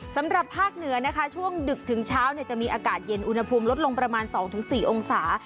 สำหรับภาคเหนือนะคะช่วงดึกถึงเช้าจะมีอากาศเย็นอุณหภูมิลดลงประมาณ๒๔องศา